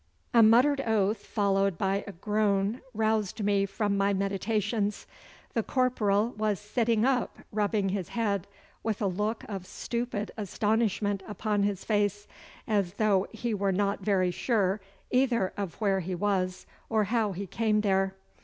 A muttered oath followed by a groan roused me from my meditations. The corporal was sitting up rubbing his head with a look of stupid astonishment upon his face, as though he were not very sure either of where he was or how he came there.